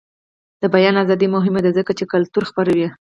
د بیان ازادي مهمه ده ځکه چې کلتور خپروي.